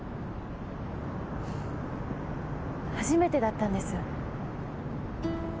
初めてだったんです。